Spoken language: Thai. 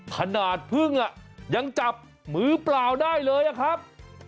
ขนาดพึ่งยังจับมือเปล่าได้เลยอะครับ